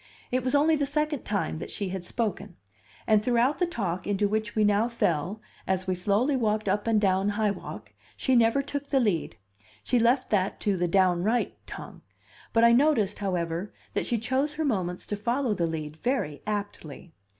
It was only the second time that she had spoken; and throughout the talk into which we now fell as we slowly walked up and down High Walk, she never took the lead; she left that to the "downright" tongue but I noticed, however, that she chose her moments to follow the lead very aptly.